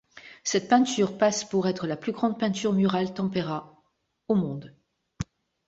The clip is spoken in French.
Cette peinture passe pour être la plus grande peinture murale tempéra au monde.